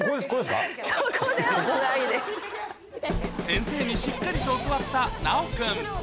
先生にしっかりと教わったナヲ君